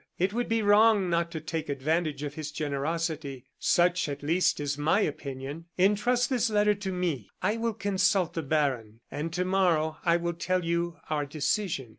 It would be wrong not to take advantage of his generosity. Such, at least, is my opinion. Intrust this letter to me. I will consult the baron, and to morrow I will tell you our decision."